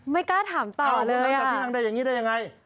ไม่กล้าถามต่อเลยอ่ะอ่าทำไมเขาจัดที่นั่งได้อย่างนี้ได้อย่างไร